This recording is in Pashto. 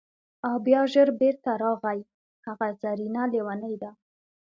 او بیا ژر بیرته راغی: هغه زرینه لیونۍ ده!